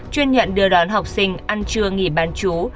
chuyên nhận đưa đón học sinh ăn trưa nghỉ bán chú